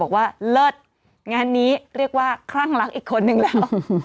เลิศงานนี้เรียกว่าคลั่งรักอีกคนนึงแล้ว